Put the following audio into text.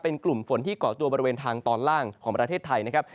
เป็นกลุ่มฝนที่เกาะตัวบริเวณทางตอนล่างของประเทศไทยนะครับ